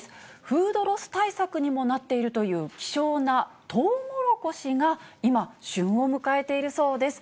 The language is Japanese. フードロス対策にもなっているという、希少なトウモロコシが今、旬を迎えているそうです。